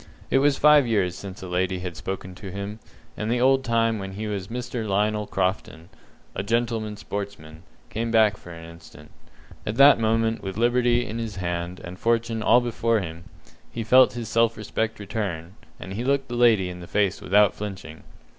It was five years since a lady had spoken to him, and the old time when he was Mr. Lionel Crofton, a "gentleman sportsman", came back again for an instant. At that moment, with liberty in his hand, and fortune all before him, he felt his self respect return, and he looked the lady in the face without flinching.